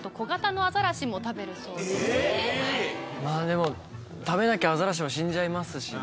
でも食べなきゃアザラシも死んじゃいますしね。